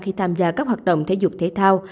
khi tham gia các hoạt động thể dục thể thao